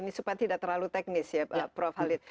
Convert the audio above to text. ini supaya tidak terlalu teknis ya prof halid